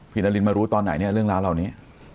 นารินมารู้ตอนไหนเนี่ยเรื่องราวเหล่านี้